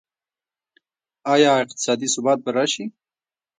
آیا اقتصادي ثبات به راشي؟